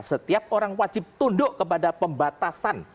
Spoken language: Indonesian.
setiap orang wajib tunduk kepada pembatasan